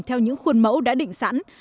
theo những khuôn mẫu đã định sẵn